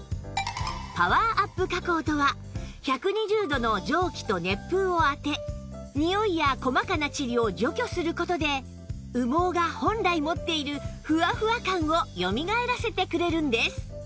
パワーアップ加工とは１２０度の蒸気と熱風を当てにおいや細かなチリを除去する事で羽毛が本来持っているふわふわ感をよみがえらせてくれるんです